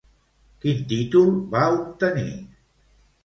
Quin títol va obtenir?